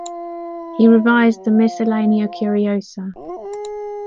He revised the "Miscellanea Curiosa".